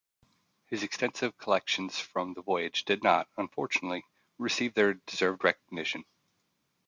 His extensive collections from the voyage did not, unfortunately, receive their deserved recognition.